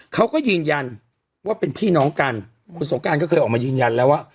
เขาก็ยืนยันว่าเป็นพี่น้องกันคุณสงการก็เคยออกมายืนยันแล้วว่า